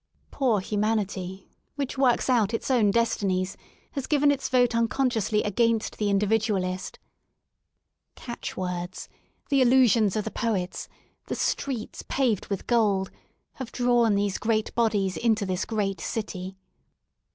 Poor humanity, which works out its own destiniesi has given its vote unconsciously against the Individ 156 REST IN LONDON ualtst. Catch wordsj the illusions of the poets, the streets paved with gold, have drawn these great bodies into this great city.